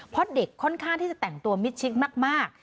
เพราะเด็กค่อนข้างที่จะแต่งตัวมิดชิดมาก